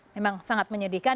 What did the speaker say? memang sangat menyedihkan